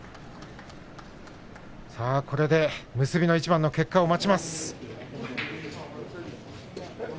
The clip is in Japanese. これで結びの一番の結果を待ちます。